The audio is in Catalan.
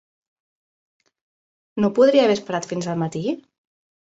No podria haver esperat fins al matí?